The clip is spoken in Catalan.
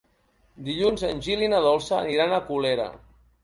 Dilluns en Gil i na Dolça aniran a Colera.